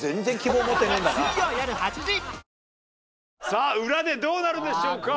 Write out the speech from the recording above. さあ裏でどうなるんでしょうか。